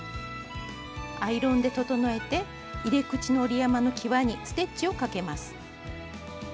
アイロンで整えて入れ口の折り山のきわにステッチをかけます。